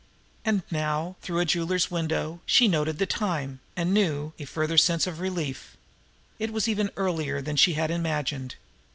And now, through a jeweler's window, she noted the time, and knew a further sense of relief. It was even earlier than she had imagined.